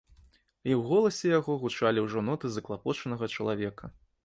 І ў голасе яго гучалі ўжо ноты заклапочанага чалавека.